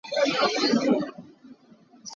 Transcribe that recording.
Ti ka ding lai.